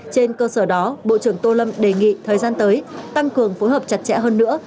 trên cơ sở đó bộ trưởng tô lâm đề nghị thời gian tới tăng cường phối hợp chặt chẽ hơn nữa